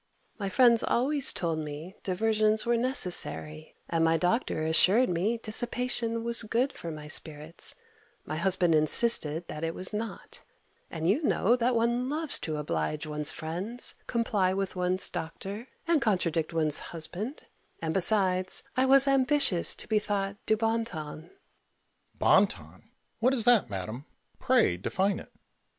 My friends always told me diversions were necessary, and my doctor assured me dissipation was good for my spirits; my husband insisted that it was not, and you know that one loves to oblige one's friends, comply with one's doctor, and contradict one's husband; and besides I was ambitious to be thought du bon ton. Mercury. Bon ton! what is that, madam? Pray define it.